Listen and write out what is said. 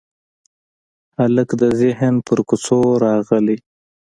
هلک د ذهن پر کوڅو راغلی